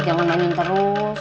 jangan manyun terus